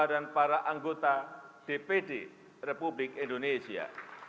dan para anggota dpd republik indonesia